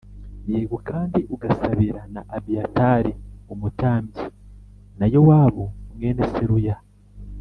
yego! Kandi ugasabira na Abiyatari umutambyi, na Yowabu mwene Seruya.”.